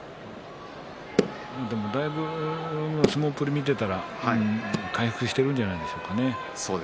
でも、だいぶ相撲っぷりを見ていたら回復してるんじゃないですかね。